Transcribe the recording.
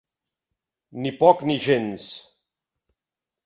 Ni poc ni gens.